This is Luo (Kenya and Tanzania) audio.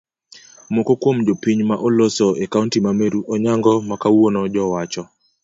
Moko kuom jopiny ma oloso e kaunti ma meru onyango makawuono jowacho